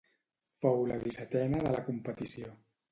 Fou la dissetena de la competició.